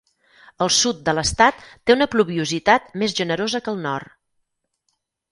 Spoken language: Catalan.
El sud de l'estat té una pluviositat més generosa que el nord.